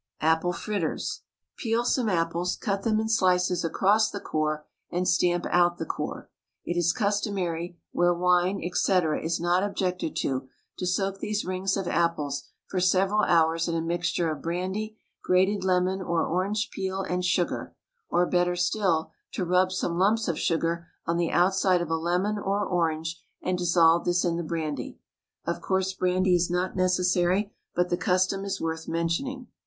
APPLE FRITTERS. Peel some apples, cut them in slices across the core, and stamp out the core. It is customary, where wine, &c., is not objected to, to soak these rings of apples for several hours in a mixture of brandy, grated lemon or orange peel and sugar, or better still, to rub some lumps of sugar on the outside of a lemon or orange and dissolve this in the brandy. Of course, brandy is not necessary, but the custom is worth mentioning.